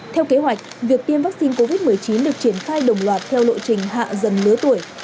theo kế hoạch việc tiêm vaccine covid một mươi chín được triển khai đồng loạt theo lộ trình hạ dần lứa tuổi